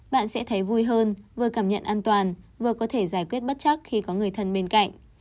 bạn sẽ thấy vui hơn vừa cảm nhận an toàn vừa có thể giải quyết bất chắc khi có người thân bên cạnh